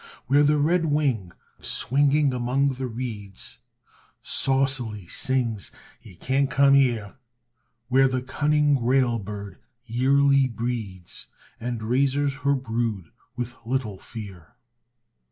Where the red wing, swinging among the reeds, Saucily sings, "Yer can't cum 'ere." Where the cunning rail bird yearly breeds, And raises her brood with little fear.